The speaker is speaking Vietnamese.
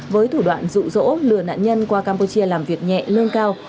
với thủ đoạn dụ dỗ lừa nạn nhân qua campuchia làm việc nhẹ lương cao